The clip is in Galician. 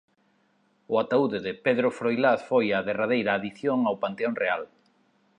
O ataúde de Pedro Froilaz foi a derradeira adición ao Panteón Real.